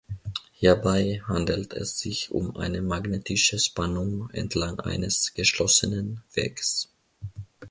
Hierbei handelt es sich um eine magnetische Spannung entlang eines "geschlossenen" Weges.